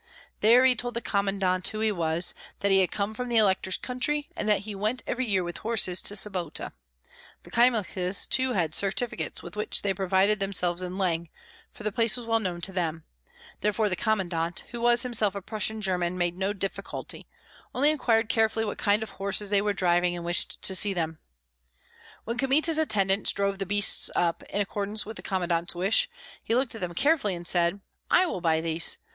There he told the commandant who he was, that he had come from the elector's country, and that he went every year with horses to Sobota. The Kyemliches too had certificates with which they provided themselves in Leng, for the place was well known to them; therefore the commandant, who was himself a Prussian German, made no difficulty, only inquired carefully what kind of horses they were driving and wished to see them. When Kmita's attendants drove the beasts up, in accordance with the commandant's wish, he looked at them carefully and said, "I will buy these.